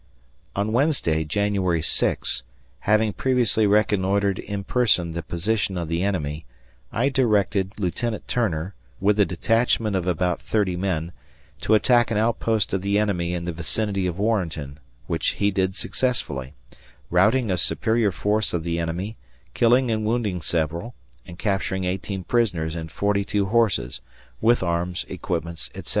On Wednesday, January 6, having previously reconnoitered in person the position of the enemy, I directed Lieutenant Turner, with a detachment of about 30 men, to attack an outpost of the enemy in the vicinity of Warrenton, which he did successfully, routing a superior force of the enemy, killing and wounding several, and capturing 18 prisoners and 42 horses, with arms, equipments, etc.